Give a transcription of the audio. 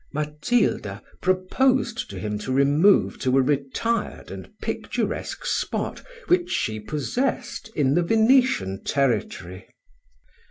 Matilda proposed to him to remove to a retired and picturesque spot which she possessed in the Venetian territory.